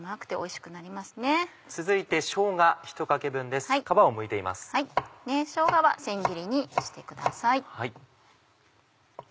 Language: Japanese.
しょうがは千切りにしてください。